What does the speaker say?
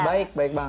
baik baik banget